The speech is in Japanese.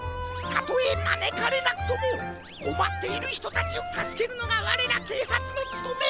たとえまねかれなくともこまっているひとたちをたすけるのがわれらけいさつのつとめ。